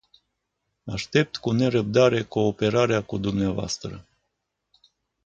Aștept cu nerăbdare cooperarea cu dumneavoastră.